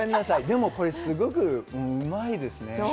でもすごくうまいですね。